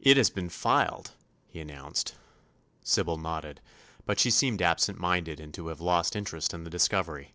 "It has been filed," he announced. Sybil nodded, but she seemed absent minded and to have lost interest in the discovery.